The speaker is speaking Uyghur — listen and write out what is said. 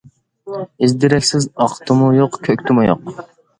ئىز دېرەكسىز ئاقتىمۇ يوق، كۆكتىمۇ يوق!